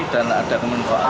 dan ada kemanusiaan